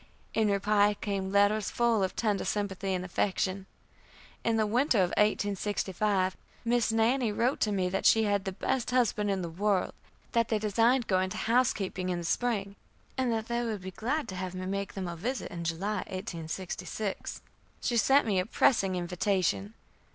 In reply came letters full of tender sympathy and affection. In the winter of 1865, Miss Nannie wrote to me that she had the best husband in the world; that they designed going to housekeeping in the spring, and that they would be glad to have me make them a visit in July, 1866. She sent me a pressing invitation.